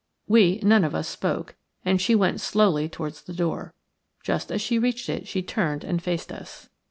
We none of us spoke, and she went slowly towards the door. Just as she reached it she turned and faced us.